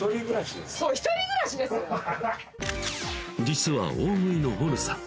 実は大食いのモルさん